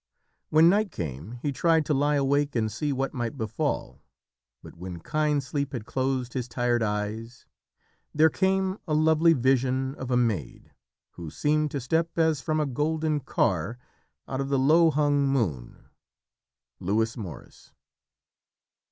When night came he tried to lie awake and see what might befall, but when kind sleep had closed his tired eyes, "There came a lovely vision of a maid, Who seemed to step as from a golden car Out of the low hung moon." Lewis Morris.